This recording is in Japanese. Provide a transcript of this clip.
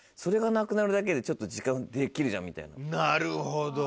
なるほど。